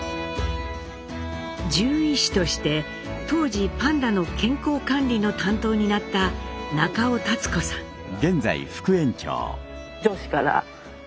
獣医師として当時パンダの健康管理の担当になった中尾建子さん。